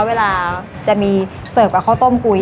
เวลาจะมีเซิร์ฟข้าวโต้มกุ๊ย